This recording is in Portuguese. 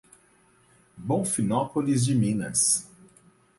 Bonfinópolis de Minas